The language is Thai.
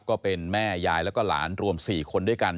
ก็เป็นแม่ยายแล้วก็หลานรวม๔คนด้วยกัน